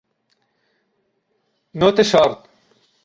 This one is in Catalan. No té sort.